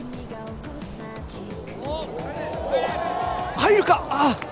入るか。